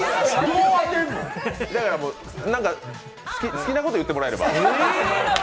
好きなこと言ってもらえれば。